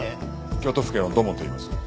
京都府警の土門といいます。